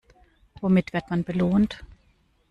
Womit wird man belohnt?